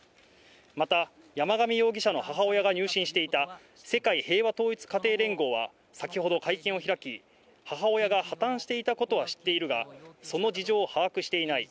また、山上容疑者の母親が入信していた世界平和統一家庭連合は、先ほど会見を開き、母親が破綻していたことは知っているが、その事情を把握していない。